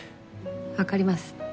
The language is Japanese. わかります。